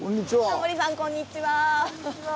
タモリさんこんにちは。